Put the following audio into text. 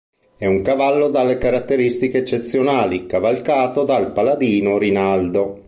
È un cavallo dalle caratteristiche eccezionali, cavalcato dal paladino Rinaldo.